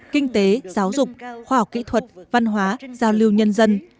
kinh tế giáo dục khoa học kỹ thuật văn hóa giao lưu nhân dân